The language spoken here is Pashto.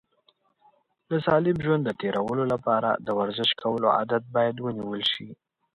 د سالم ژوند د تېرولو لپاره د ورزش کولو عادت باید ونیول شي.